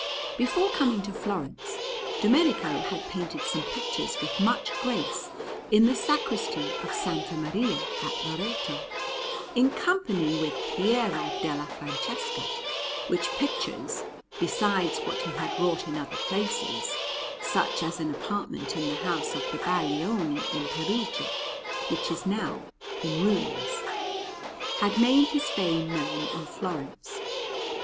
Before coming to Florence, Domenico had painted some pictures with much grace in the Sacristy of S. Maria at Loreto, in company with Piero della Francesca; which pictures, besides what he had wrought in other places (such as an apartment in the house of the Baglioni in Perugia, which is now in ruins), had made his fame known in Florence.